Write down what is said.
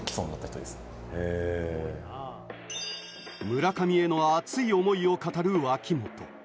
村上への熱い思いを語る脇本。